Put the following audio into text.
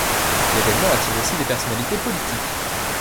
L’évènement attire aussi des personnalités politiques.